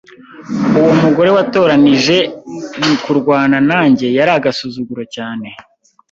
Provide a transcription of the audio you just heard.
Uwo mugore watoranije kurwana nanjye yari agasuzuguro cyane.